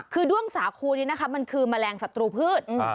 คือด้วงสาคูนี้นะคะมันคือแมลงศัตรูพืช